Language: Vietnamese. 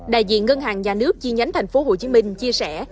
đại diện ngân hàng nhà nước chi nhánh tp hcm chia sẻ